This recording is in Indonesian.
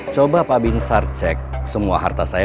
coba pak binsar cek semua harta saya